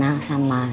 nambah belum jalan